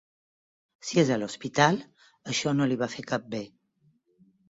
Si és a l'hospital, això no li va fer cap bé.